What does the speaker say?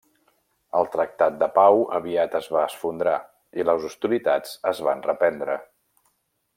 El tractat de pau aviat es va esfondrar i les hostilitats es van reprendre.